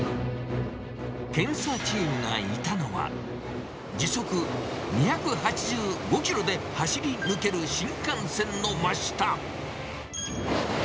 検査チームがいたのは、時速２８５キロで走り抜ける新幹線の真下。